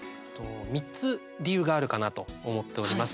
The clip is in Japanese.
３つ理由があるかなと思っております。